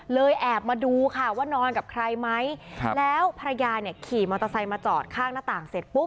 แอบมาดูค่ะว่านอนกับใครไหมแล้วภรรยาเนี่ยขี่มอเตอร์ไซค์มาจอดข้างหน้าต่างเสร็จปุ๊บ